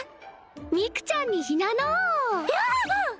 ミクちゃんにひなのひゃあっ！